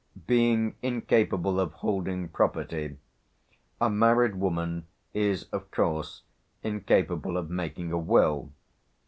Being incapable of holding property, a married woman is of course, incapable of making a will.